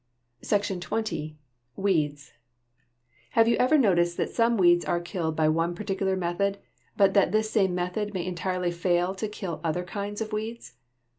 SECTION XX. WEEDS Have you ever noticed that some weeds are killed by one particular method, but that this same method may entirely fail to kill other kinds of weeds?